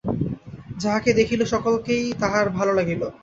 যাহাকে দেখিল সকলকেই তাহার ভালো লাগিল।